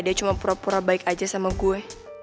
dia cuma pura pura baik aja sama gue